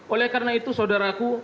oleh karena itu saudaraku